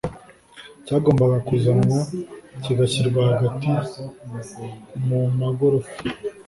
cyagombaga kuzanwa kigashyirwa hagati mu magorofa,